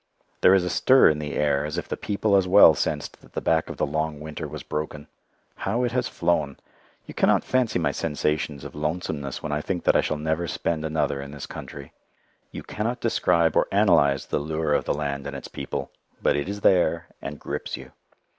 There is a stir in the air as if the people as well sensed that the back of the long winter was broken. How it has flown! You cannot fancy my sensations of lonesomeness when I think that I shall never spend another in this country. You cannot describe or analyze the lure of the land and its people, but it is there, and grips you.